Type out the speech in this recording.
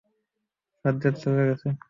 সাজ্জাদ চলে গেছে!